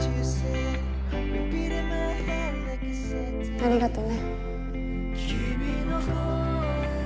ありがとね。